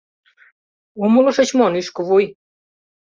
Умылышыч мо, нӱшкывуй?